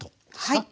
はい。